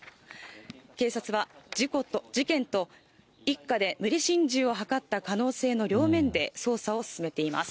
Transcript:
警察は、事件と、一家で無理心中を図った可能性の両面で、捜査を進めています。